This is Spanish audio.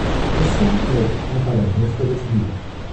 Eso lo ocupó para el resto de su vida.